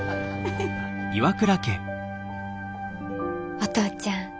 お父ちゃん